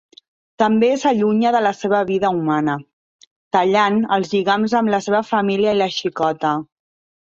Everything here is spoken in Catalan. També s'allunya de la seva vida humana, tallant els lligams amb la seva família i la xicota.